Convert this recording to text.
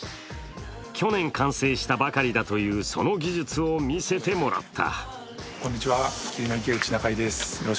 去年完成したばかりだというその技術を見せてもらった。